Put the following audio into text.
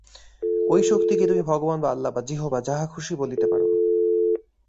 ঐ শক্তিকে তুমি ভগবান বা আল্লা বা যিহোবা যাহা খুশী বলিতে পার।